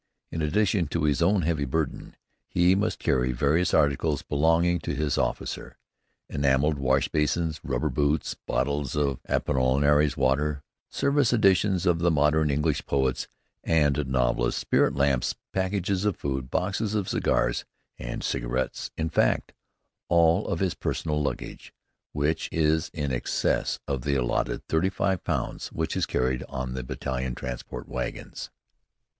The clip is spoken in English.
In addition to his own heavy burden he must carry various articles belonging to his officer: enameled wash basins, rubber boots, bottles of Apollinaris water, service editions of the modern English poets and novelists, spirit lamps, packages of food, boxes of cigars and cigarettes, in fact, all of his personal luggage which is in excess of the allotted thirty five pounds which is carried on the battalion transport wagons.